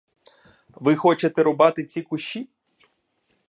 Ви хочете рубати ці кущі?